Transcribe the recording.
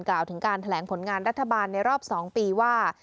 กล่าวถึงการแถลงผลงานรัฐบาลในรอบ๒ปีว่า